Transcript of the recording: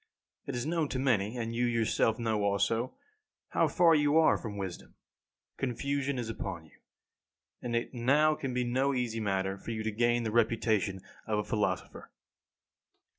It is known to many, and you yourself know also, how far you are from wisdom. Confusion is upon you, and it now can be no easy matter for you to gain the reputation of a philosopher.